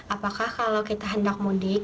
apakah kalau kita hendak mudik